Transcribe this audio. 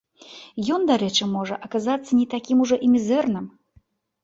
Ён, дарэчы, можа, аказацца не такім ужо і мізэрным.